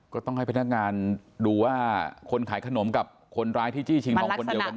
ก็ต้องให้พนักงานดูว่าคนขายขนมกับคนร้ายที่จี้ชิงทองคนเดียวกัน